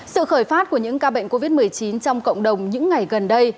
sự khởi phát của những ca bệnh covid một mươi chín trong cộng đồng những ngày gần đây